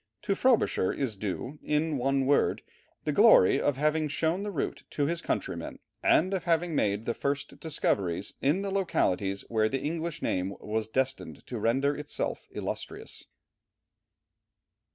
To Frobisher is due, in one word, the glory of having shown the route to his countrymen, and of having made the first discoveries in the localities where the English name was destined to render itself illustrious.